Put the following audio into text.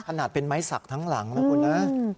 ขนาดเป็นไม้สักทั้งหลังนะคุณนะ